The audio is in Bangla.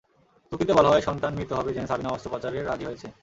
চুক্তিতে বলা হয়, সন্তান মৃত হবে জেনে সাবিনা অস্ত্রোপচারে রাজি হয়েছেন।